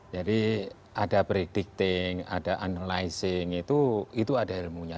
jadi ada predicting ada analyzing itu ada ilmunya